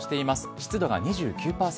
湿度が２９％